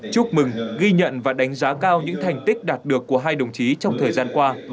chúc mừng ghi nhận và đánh giá cao những thành tích đạt được của hai đồng chí trong thời gian qua